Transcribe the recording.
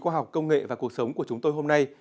khoa học công nghệ và cuộc sống của chúng tôi hôm nay